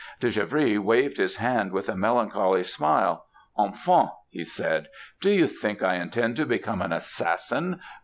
"De Givry waved his hand with a melancholy smile; 'Enfant!' he said. 'Do you think I intend to become an assassin?